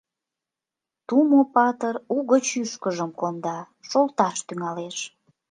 Тумо-патыр угыч ӱшкыжым конда, шолташ тӱҥалеш.